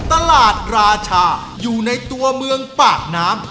ราชาอยู่ในตัวเมืองปากน้ำ